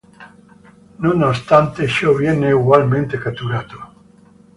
Nonostante ciò viene ugualmente catturato.